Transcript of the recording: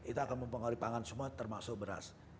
itu akan mempengaruhi pangan semua termasuk beras